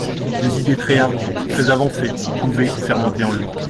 Des idées très hardies, très avancées, couvaient et fermentaient en lui.